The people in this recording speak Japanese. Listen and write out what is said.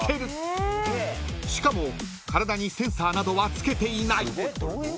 ［しかも体にセンサーなどは着けていない］